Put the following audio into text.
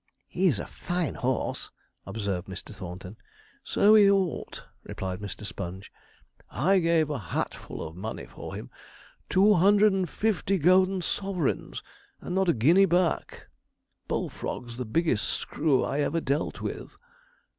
'He's a fine horse,' observed Mr. Thornton. 'So he ought,' replied Mr. Sponge; 'I gave a hatful of money for him two hundred and fifty golden sovereigns, and not a guinea back. Bullfrog's the biggest screw I ever dealt with.'